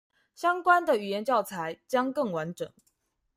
相關的語言教材將更完整